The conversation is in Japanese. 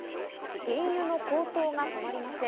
原油の高騰が止まりません。